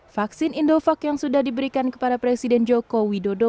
vaksin indovac yang sudah diberikan kepada presiden joko widodo